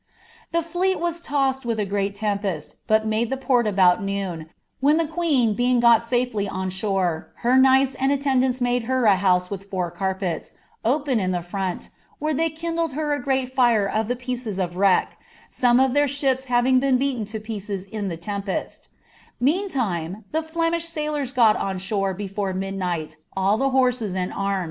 f" The tieel was tossed with a great tempest, but made the pott abo0 noon, when the ()ueen being got safely on sjiore, her koigltts aind aOut auts made her a house with four carpets, open in the from, when ik^ kindled her a great fire of the piecet of wreck, some o( ikat tkifl having been beaten to pieces in the tempest; meaatime ibe (IniA sailors got on shore before midnight all tlie horEei and arm.